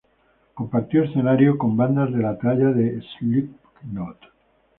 Compartió escenario con bandas de la talla de Slipknot.